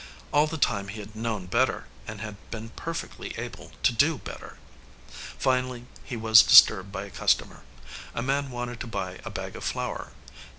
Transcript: All the time he had known better and had been perfectly able to do better. Finally he was disturbed by a customer. A man wanted to buy a bag of flour.